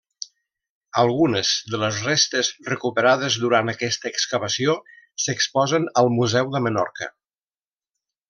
Algunes de les restes recuperades durant aquesta excavació s'exposen al Museu de Menorca.